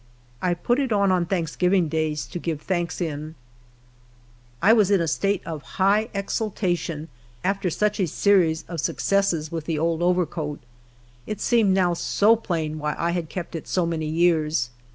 I put it on Thanksgiving days to give thanks in, I was in a state of high exultation after such a series of successes with the old overcoat ; it seemed now so plain why I had kept it so many years.